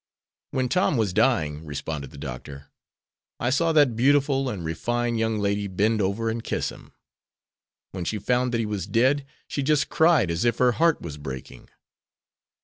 "When Tom was dying," responded the doctor, "I saw that beautiful and refined young lady bend over and kiss him. When she found that he was dead, she just cried as if her heart was breaking.